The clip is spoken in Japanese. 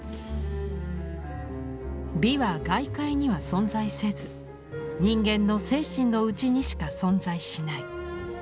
美は外界には存在せず人間の精神の内にしか存在しない。